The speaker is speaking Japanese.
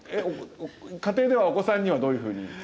家庭ではお子さんにはどういうふうに？